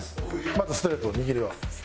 まずストレート握りは。